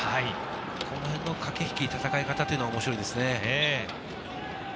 このへんの駆け引き、戦い方が面白いですね。